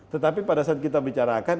tetapi pada saat kita bicarakan